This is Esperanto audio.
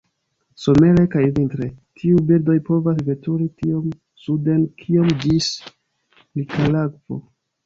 Somere kaj vintre, tiuj birdoj povas veturi tiom suden kiom ĝis Nikaragvo.